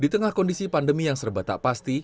di tengah kondisi pandemi yang serba tak pasti